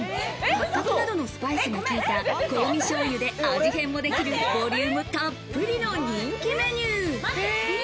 八角などのスパイスが効いた香味醤油で味変もできるボリュームたっぷりの人気メニュー。